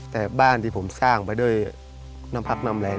แต่บ้านที่ผมสร้างไปด้วยน้ำพักน้ำแรง